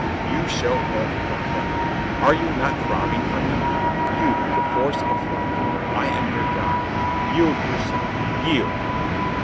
"You shall own it, by Heaven! Are you not throb bing for me? You, the force of life. I am your guide. Yield yourself. Yield